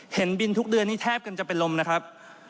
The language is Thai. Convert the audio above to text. เห็นบินทุกเดือนนี้แทบกันจะเป็นลมนะครับ